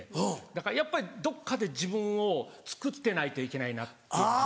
だからやっぱりどっかで自分をつくってないといけないなって。